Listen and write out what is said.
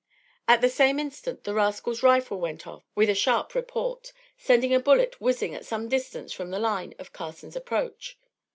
At the same instant the rascal's rifle went off with a sharp report, sending a bullet whizzing at some distance from the line of Carson's approach.